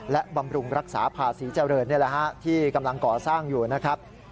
และบำรุงรักษาภาษีเจ้าเรินที่กำลังก่อสร้างอยู่นะครับ